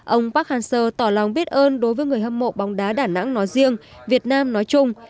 ông park han seo tỏ lòng biết ơn đối với người hâm mộ bóng đá đà nẵng nói riêng việt nam nói chung